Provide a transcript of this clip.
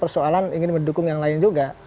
persoalan ingin mendukung yang lain juga